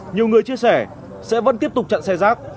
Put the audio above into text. nhiều người chia sẻ sẽ vẫn tiếp tục chặn xe rác